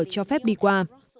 cho phép đi qua